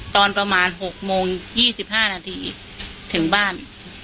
ตอนประมาณหกโมงยี่สิบห้านาทีถึงบ้าน